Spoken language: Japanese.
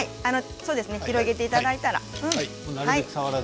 広げていただいたら。